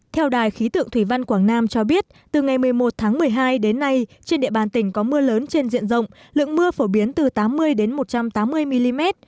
theo đài khí tượng thủy văn quảng nam cho biết từ ngày một mươi một tháng một mươi hai đến nay trên địa bàn tỉnh có mưa lớn trên diện rộng lượng mưa phổ biến từ tám mươi đến một trăm tám mươi mm